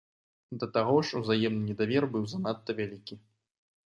Да таго ж узаемны недавер быў занадта вялікі.